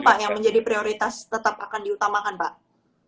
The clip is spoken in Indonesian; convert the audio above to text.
apa itu pak yang menjadi prioritas tetap akan diutamakan beliau